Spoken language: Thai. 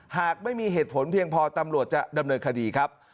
หากไม่มีเหตุผลเพียงพอตำรวจจะดำเนินคดีครับ